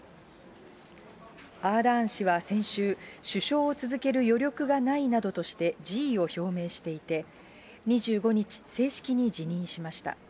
アーダーン氏は先週、首相を続ける余力がないなどとして辞意を表明していて、２５日、正式に辞任しました。